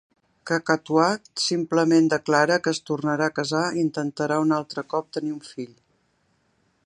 Cacatois simplement declara que es tornarà a casar i intentarà un altre cop tenir un fill.